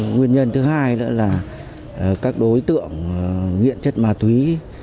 nguyên nhân thứ hai nữa là các đối tượng nghiện chất ma túy